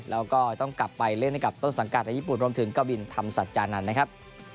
แล้วก็กลับไปเล่นกับต้นสันกะทะญี่ปูนรวมถึงเกาวินธรรมสัตว์จานานนะครับ